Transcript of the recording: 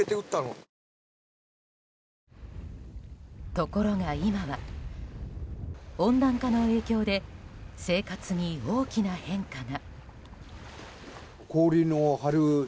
ところが今は温暖化の影響で生活に大きな変化が。